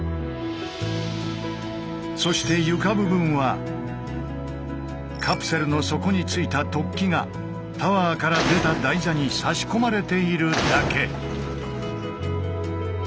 そして床部分はカプセルの底についた突起がタワーから出た台座に差し込まれているだけ。